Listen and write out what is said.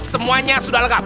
semuanya sudah lengkap